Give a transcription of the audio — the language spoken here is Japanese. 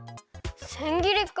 せんぎりか。